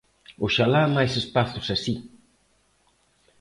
Oxalá máis espazos así.